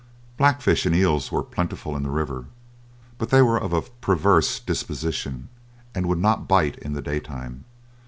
Blackfish and eels were plentiful in the river, but they were of a perverse disposition, and would not bite in the day time.